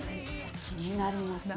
気になりますね。